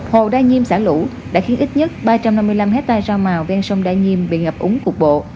hồ đa nhiêm xả lũ đã khiến ít nhất ba trăm năm mươi năm hectare rau màu ven sông đa nhiêm bị ngập úng cục bộ